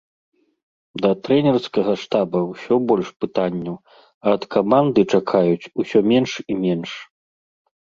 Да трэнерскага штаба ўсё больш пытанняў, а ад каманды чакаюць усё менш і менш.